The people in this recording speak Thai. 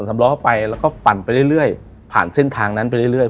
ตอนทำร้อนเข้าไปแล้วก็ปั่นไปเรื่อยเรื่อยผ่านเส้นทางนั้นไปเรื่อยเรื่อย